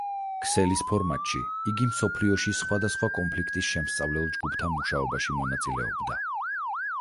ქსელის ფორმატში იგი მსოფლიოში სხვადასხვა კონფლიქტის შემსწავლელ ჯგუფთა მუშაობაში მონაწილეობდა.